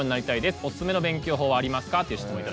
おすすめの勉強法はありますか？」。